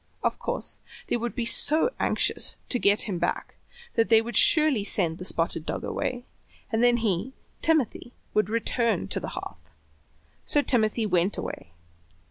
Of course they would be so anxious to get him back they would surely send the spotted dog away, and then he, Timothy, would return to the hearth. So Timothy went away.